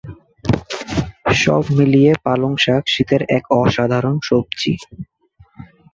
সব মিলিয়ে পালং শাক শীতের এক অসাধারণ সবজি!